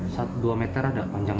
satu dua meter ada panjang